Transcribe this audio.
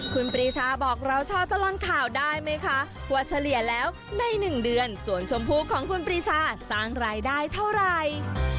คุณปรีชาบอกเราช่อตลอดข่าวได้ไหมคะว่าเฉลี่ยแล้วใน๑เดือนส่วนชมพูของคุณปรีชาสร้างรายได้เท่าไหร่